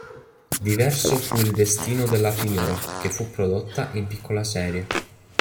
Diverso fu il destino della Figaro, che fu prodotta in piccola serie.